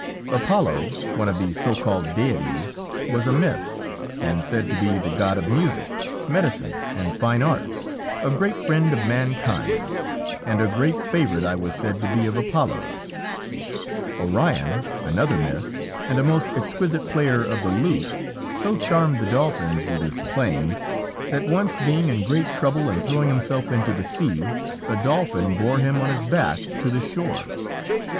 Apollo, one of the so called deities, was a myth, and said to be the god of music, medicine, and the fine arts, a great friend of mankind; and a great favorite I was said to be of Apollo's. Orion, another myth, and a most exquisite player of the lute, so charmed the Dolphins with his playing, that once being in great trouble and throwing himself into the sea, a Dolphin bore him on his back to the shore.